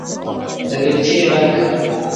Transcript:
_د بېلچې غږ